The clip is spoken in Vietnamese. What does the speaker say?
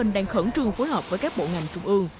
đang khẩn trương phối hợp với các bộ ngành trung ương